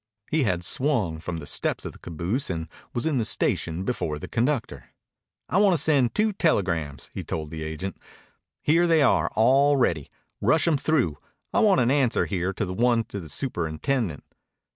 He had swung from the steps of the caboose and was in the station before the conductor. "I want to send two telegrams," he told the agent. "Here they are all ready. Rush 'em through. I want an answer here to the one to the superintendent."